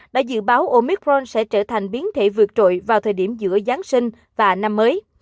đã dự báo omicron sẽ trở thành biến thể vượt trội vào thời điểm giữa giáng sinh và năm mới